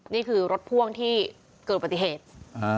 นี่คือรถพ่วงที่เกิดปฏิเหตุ